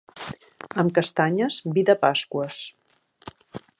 Amb castanyes, vi de Pasqües.